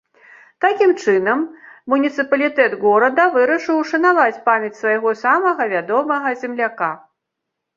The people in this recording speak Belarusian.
Такім чынам муніцыпалітэт горада вырашыў ушанаваць памяць свайго самага вядомага земляка.